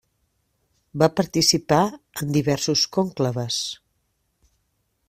Va participar en diversos conclaves.